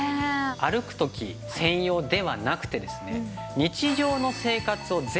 歩く時専用ではなくてですね。